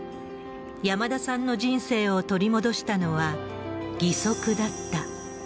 山田さんの人生を取り戻したのは、義足だった。